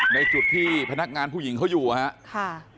ในจุดที่พนักงานผู้หญิงเขาอยู่ครับ